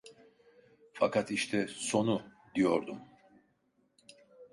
Fakat işte, sonu! diyordum.